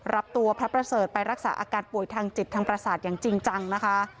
รับตัวพระประเสริฐไปรักษาอาการป่วยทางจิตทางประสาทอย่างจริงจังนะคะ